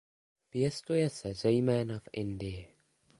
Pěstuje se zejména v Indii.